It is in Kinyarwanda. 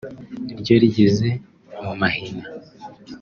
ryo rigeze mu mahina